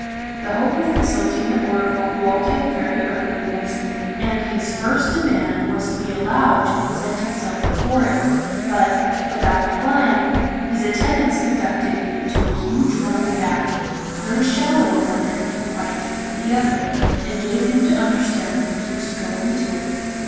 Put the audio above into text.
The hope of consulting the Oracle woke him very early the next morning, and his first demand was to be allowed to present himself before it, but, without replying, his attendants conducted him to a huge marble bath, very shallow at one end, and quite deep at the other, and gave him to understand that he was to go into it.